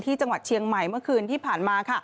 ที่จังหวัดเชียงใหม่เมื่อคืนที่ผ่านมาค่ะ